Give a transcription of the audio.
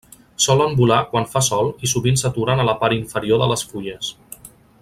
Solen volar quan fa sol i sovint s'aturen a la part inferior de les fulles.